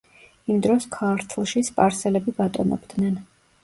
იმ დროს ქართლში სპარსელები ბატონობდნენ.